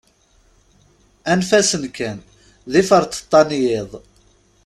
Anef-asen kan, d iferṭeṭṭa n yiḍ.